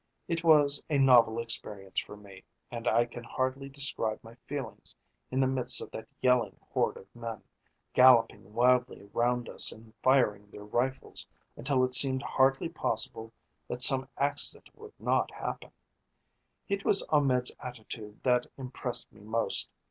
It was a novel experience for me, and I can hardly describe my feelings in the midst of that yelling horde of men, galloping wildly round us and firing their rifles until it seemed hardly possible that some accident would not happen. It was Ahmed's attitude that impressed me most.